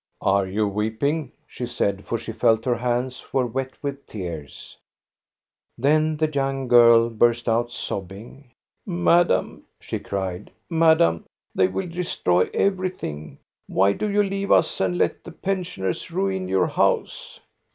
"Are you weeping?" she said, for she felt her hands were wet with tears. Then the young girl burst out sobbing. " Madame," she cried, madame, they will destroy everything. Why do you leave us and let the pen sioners ruin your house?"